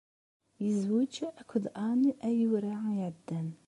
Yezweǧ akked Ann ayyur-a iɛeddan.